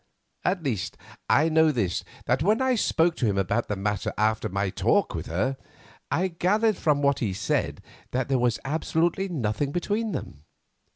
At least, I know this, that when I spoke to him about the matter after my talk with her, I gathered from what he said that there was absolutely nothing between them.